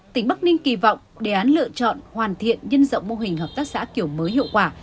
tỉnh bắc ninh kỳ vọng đề án lựa chọn hoàn thiện nhân rộng mô hình hợp tác xã kiểu mới hiệu quả